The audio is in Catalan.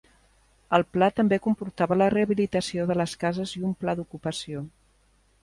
El pla també comportava la rehabilitació de les cases i un pla d'ocupació.